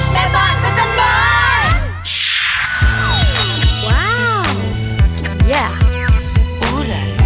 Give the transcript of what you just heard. แม่บ้านพระจันทร์บ้าน